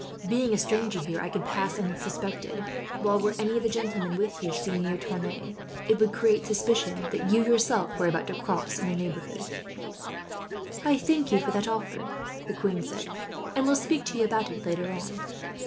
Being a stranger here I could pass unsuspected; while were any of the gentlemen with you seen near Tonneins, it would create suspicion that you, yourself, were about to cross in the neighbourhood." "I thank you for that offer," the queen said, "and will speak to you about it, later on."